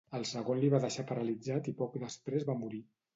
El segon li va deixar paralitzat i poc després va morir.